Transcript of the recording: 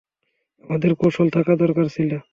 আমাদের কৌশল থাকা দরকার ছিল।